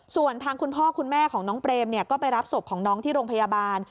ส่วนทางคุณพ่อคุณแม่ของน้องเปรมก็ไปรับศพของน้องที่โรงพยาบาล